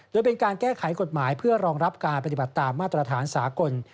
โดยเป็นการแก้ไขกฎหมายเพื่อรองรับการปฏิบัติตามมาตรฐานสากล